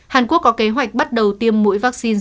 hàn quốc có kế hoạch bắt đầu tiêm mũi vaccine